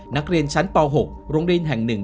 นักเรียนชั้นปหกโรงเรียนแห่งหนึ่ง